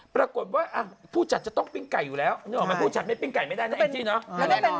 ปรากฏว่าผู้จัดจะต้องปิ้งไก่อยู่แล้วนึกออกไหมผู้จัดไม่ปิ้งไก่ไม่ได้นะแองจี้เนอะ